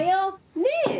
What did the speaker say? ねえ。